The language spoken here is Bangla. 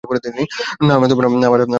না, আমার বেশি ভাবের কারনে না।